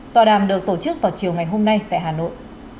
tọa đàm được tổ chức vào chiều ngày hôm nay tại hà nội